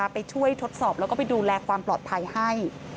ไปช่วยทดสอบแล้วก็ไปดูแลความปลอดภัยให้